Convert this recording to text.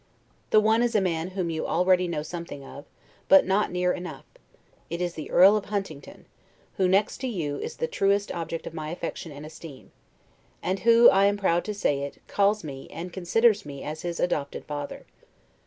The one is a man whom you already know something of, but not near enough: it is the Earl of Huntingdon; who, next to you, is the truest object of my affection and esteem; and who (I am proud to say it) calls me, and considers me as his adopted father.